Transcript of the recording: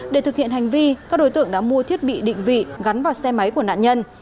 để thực hiện hành vi các đối tượng đã mua thiết bị định vị gắn vào xe máy của nạn nhân